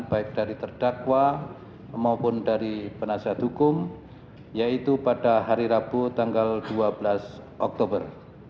baik dari terdakwa maupun dari penasihat hukum yaitu pada hari rabu tanggal dua belas oktober